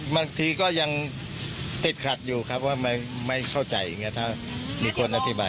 บางทีก็ยังติดขัดอยู่ครับไม่เข้าใจถ้ามีคนอธิบาย